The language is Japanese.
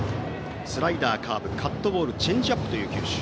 スライダー、カーブカットボールチェンジアップという球種。